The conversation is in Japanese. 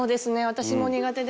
私も苦手です。